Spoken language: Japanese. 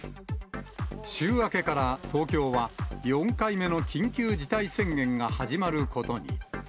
週明けから東京は、４回目の緊急事態宣言が始まることに。